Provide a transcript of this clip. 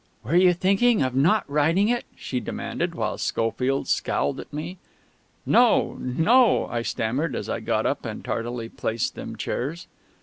"Were you thinking of not writing it?" she demanded, while Schofield scowled at me. "No no ," I stammered, as I got up and tardily placed them chairs.